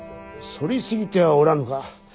そり過ぎてはおらぬか。